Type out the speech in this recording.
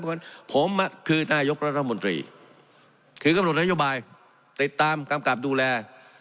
ผมน่ะคือนายกรัฐมนตรีคือกำหนดนโยบายติดตามกรรมกราบดูแล